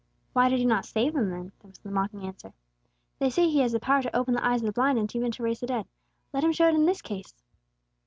"Why did He not save him then?" was the mocking answer. "They say He has the power to open the eyes of the blind, and even to raise the dead. Let Him show it in this case!"